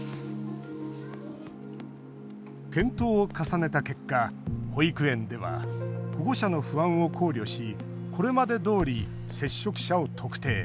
検討を重ねた結果、保育園では保護者の不安を考慮しこれまでどおり接触者を特定。